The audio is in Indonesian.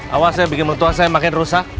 awas ya bikin mutuah saya makin rusak